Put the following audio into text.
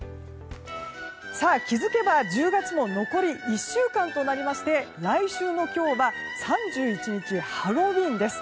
気づけば１０月も残り１週間となりまして来週の今日は３１日ハロウィーンです。